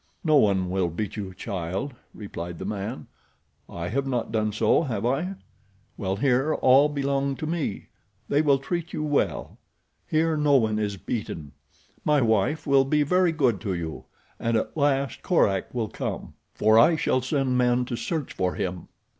"No one will beat you, child," replied the man. "I have not done so, have I? Well, here all belong to me. They will treat you well. Here no one is beaten. My wife will be very good to you, and at last Korak will come, for I shall send men to search for him."